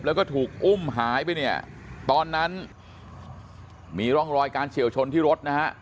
แล้วก็ถูกอุ้มหายไปเนี่ยตอนนั้นมีร่องรอยการเฉียวชนที่รถนะฮะ